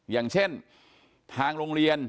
อย่างเช่นทางโรงเรียน